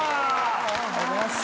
ありがとうございます。